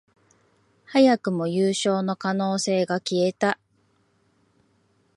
早くも優勝の可能性が消えた